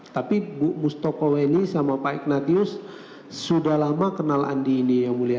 tapi bu mustokoweni sama pak ignatius sudah lama kenal andi ini ya mulia